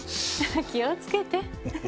気をつけて。